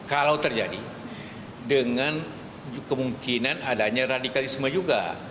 kalau terjadi dengan kemungkinan adanya radikalisme juga